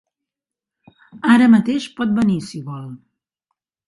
Ara mateix pot venir, si vol.